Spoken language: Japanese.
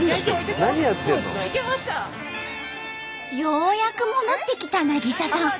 ようやく戻ってきた渚さん。